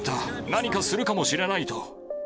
何かするかもしれないと。